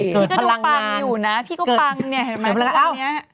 พี่ก็ดูปังอยู่นะที่ผมนี้